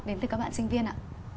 đến từ các bạn sinh viên ạ